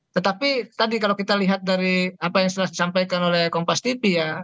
tetapi tadi kalau kita lihat dari apa yang telah disampaikan oleh kompas tipi ya